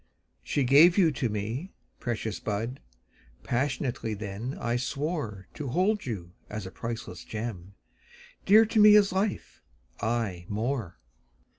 She gave you to me. Precious bud! Passionately then I swore To hold you as a priceless gem, Dear to me as life aye more!